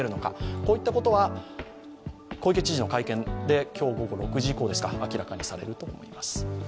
こういったことは小池知事の会見で今日午後６時以降に明らかにされると思います。